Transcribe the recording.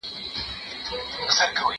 زه کولای سم پاکوالی وکړم،